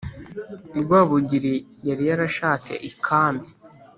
Rwabugiri yari yarashatse I kami